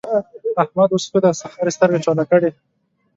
احمد اوس ښه دی؛ سهار يې سترګې چوله کړې.